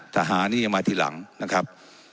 ทหารนี่ยังมาทีหลังนะครับ